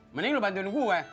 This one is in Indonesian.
mending lu bantuin gue